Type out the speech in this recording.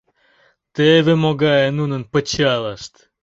Теве могае нунын пычалышт...